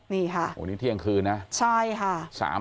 นี่ค่ะโอ้นี่เที่ยงคืนนะใช่ค่ะ